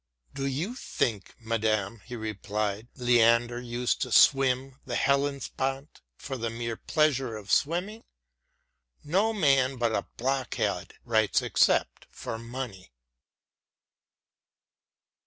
" Do you think, madam," he replied, " Leander used to swim the Hellespont for the mere pleasure of swimming ? No man but a blockhead writes except for money."